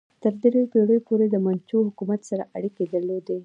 تر دریو پیړیو پورې د منچو حکومت سره اړیکې درلودې.